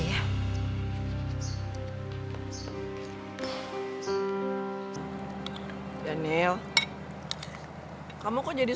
bukan disini sama orang asing